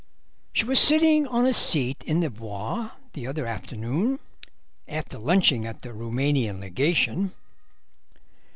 "She was sitting on a seat in the Bois the other afternoon, after lunching at the Roumanian Legation."